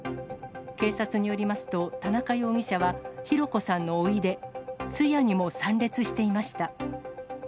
警察によりますと、田中容疑者は弘子さんのおいで、通夜にも参列していました。